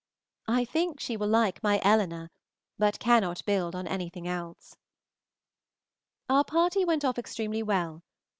I think she will like my Elinor, but cannot build on anything else. Our party went off extremely well.